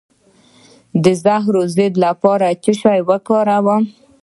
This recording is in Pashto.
د زهرو د ضد لپاره باید څه شی وکاروم؟